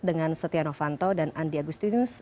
dengan setia novanto dan andi agustinus